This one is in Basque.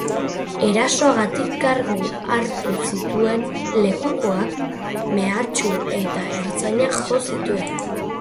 Erasoagatik kargu hartu zioten lekukoak mehatxatu eta ertzainak jo zituen.